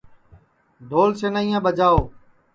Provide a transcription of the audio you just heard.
ڈھول سینائیاں ٻجاؤ